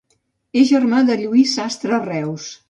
És germà de Lluís Sastre Reus.